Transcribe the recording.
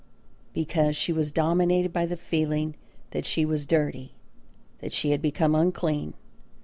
Because she was dominated by the feeling that she was dirty, that she had become unclean.